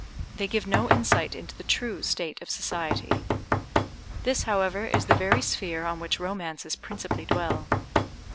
They give no insight into the true state of society. This, however, is the very sphere on which romances principally dwell.